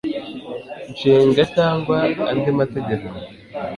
nshinga cyangwa andi mategeko